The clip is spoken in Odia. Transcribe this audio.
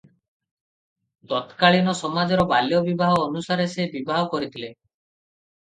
ତତ୍କାଳୀନ ସମାଜର ବାଲ୍ୟବିବାହ ଅନୁସାରେ ସେ ବିବାହ କରିଥିଲେ ।